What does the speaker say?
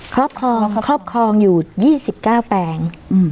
ครอบครองครอบครองอยู่๒๙แปลง